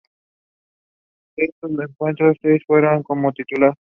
De esos encuentros, seis fueron como titular.